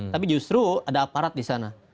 tapi justru ada aparat di sana